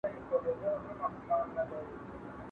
¬ و مسکين ته د کلا د سپو سلا يوه ده.